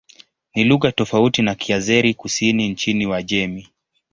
Ni lugha tofauti na Kiazeri-Kusini nchini Uajemi.